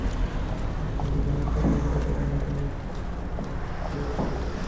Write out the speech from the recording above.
সে তার জীবনের সবচেয়ে গুরুত্বপূর্ণ জিনিস ছিল, এবং সে মারা গিয়েছিল।